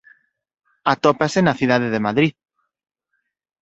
Atópase na cidade de Madrid.